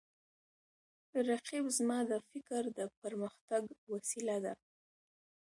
رقیب زما د فکر د پرمختګ وسیله ده